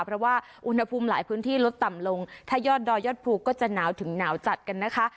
เพราะว่าอุณหภูมิหลายพื้นที่ลดต่ำลงถ้ายอดดอยยอดภูก็จะหนาวถึงหนาวจัดกันนะคะ